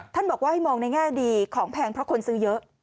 บอกว่าให้มองในแง่ดีของแพงเพราะคนซื้อเยอะ